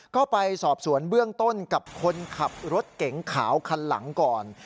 ก็ไปสอบสวนเบื้องต้นกับคนขับรถเก๋งขาวคันหลังก่อน